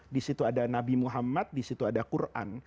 di situ ada nabi muhammad di situ ada quran